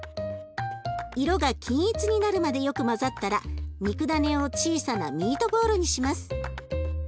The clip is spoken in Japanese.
色が均一になるまでよく混ざったら肉だねを小さなミートボールにします。